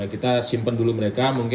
kita simpan dulu mereka